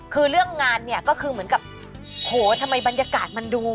คือเรื่องงานเนี่ยก็คือเหมือนกับโหทำไมบรรยากาศมันดู